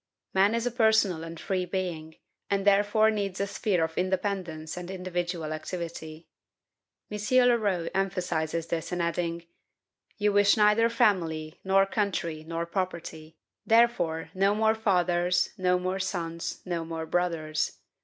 Man is a personal and free being, and therefore needs a sphere of independence and individual activity. M. Leroux emphasizes this in adding: "You wish neither family, nor country, nor property; therefore no more fathers, no more sons, no more brothers.